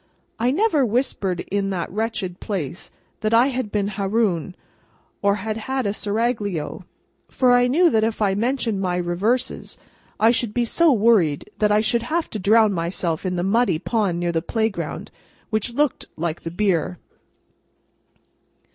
I never whispered in that wretched place that I had been Haroun, or had had a Seraglio: for, I knew that if I mentioned my reverses, I should be so worried, that I should have to drown myself in the muddy pond near the playground, which looked like the beer.